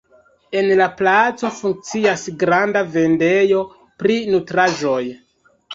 En la placo funkcias granda vendejo pri nutraĵoj.